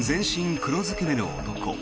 黒ずくめの男。